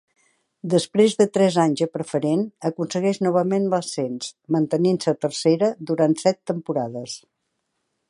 Després de tres anys a Preferent, aconsegueix novament l'ascens, mantenint-se a Tercera durant set temporades.